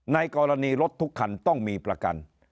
ในกรณีรถทุกคันต้องมีประกัน